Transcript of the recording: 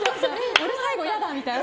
俺、最後嫌だみたいな。